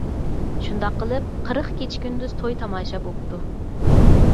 شۇنداق قىلىپ، قىرىق كېچە-كۈندۈز توي-تاماشا بوپتۇ.